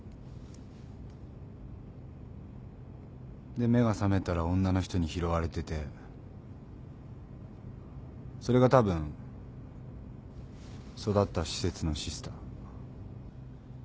で目が覚めたら女の人に拾われててそれが多分育った施設のシスター。